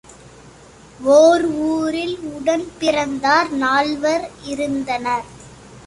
ஓர் ஊரில் உடன்பிறந்தார் நால்வர் இருந்தனர்.